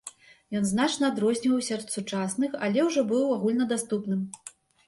Ён значна адрозніваўся ад сучасных, але ўжо быў агульнадаступным.